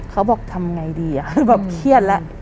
เขาบอกทำไงดีคือแบบเครียดแล้ว